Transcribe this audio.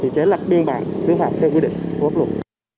chế lập biên bản dưới hạng theo quy định của quốc lục